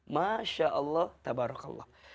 masya allah tabarakallah